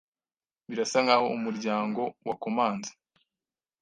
Birasa nkaho umuryango wakomanze.